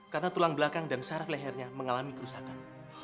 karena tulang belakang dan saraf lehernya mengalami kerusakan